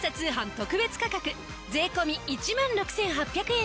特別価格税込１万６８００円です。